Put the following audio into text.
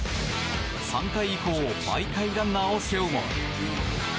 ３回以降毎回ランナーを背負うも。